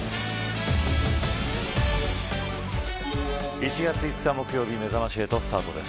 １月５日木曜日めざまし８スタートです。